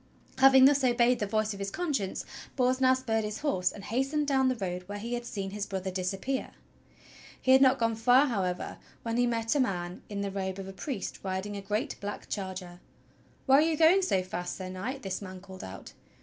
Having thus obeyed the voice of his conscience, Bors now spurred his horse and hastened down the road where he had seen his brother disappear. He had not gone far, however, when he met a man in the robe of a priest riding a great black charger. "Where are you going so fast. Sir Knight.?" this man called out.